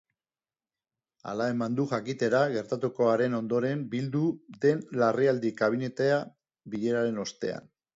Hala eman du jakitera gertatutakoaren ondoren bildu den larrialdi-kabinetea bileraren ostean.